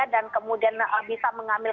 dan kemudian bisa mengambil